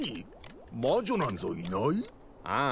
魔女なんぞいない？ああ。